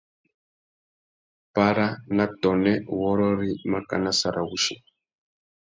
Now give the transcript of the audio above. Para na tônê wôrrôri makana sarawussi.